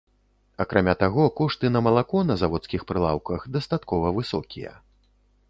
Акрамя таго, кошты на малако на заводскіх прылаўках дастаткова высокія.